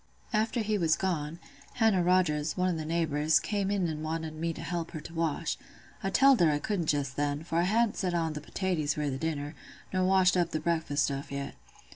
"After he was gone, Hannah Rogers, one o' th' neighbours, came in and wanted me to help her to wash. I telled her I couldn't just then, for I hadn't set on th' potaties for th' dinner, nor washed up th' breakfast stuff yet.